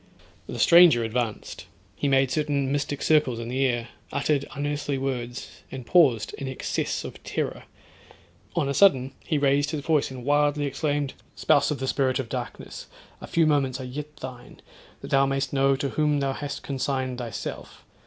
The stranger advanced; he made certain mystic circles in the air, uttered unearthly words, and paused in excess of terror. On a sudden he raised his voice and wildly exclaimed—'Spouse of the spirit of darkness, a few moments are yet thine; that thou may'st know to whom thou hast consigned thyself.